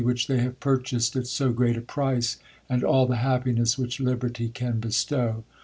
which they have purchased at so great a price, and all ihe happiness which liberty can bestow.